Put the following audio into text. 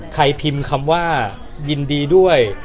พิมพ์คำว่ายินดีด้วย